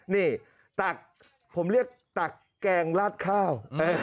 นี่ตักผมเรียกตักแกงลาดข้าว